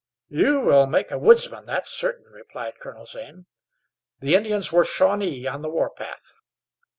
"You will make a woodsman, that's certain," replied Colonel Zane. "The Indians were Shawnee on the warpath.